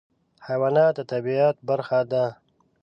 حیوانات د طبیعت برخه ده.